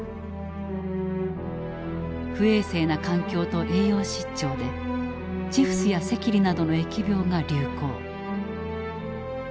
不衛生な環境と栄養失調でチフスや赤痢などの疫病が流行。